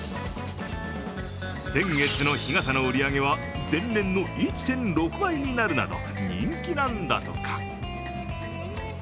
先月の日傘の売り上げは、前年の１．６倍になるなど、人気なんだとか。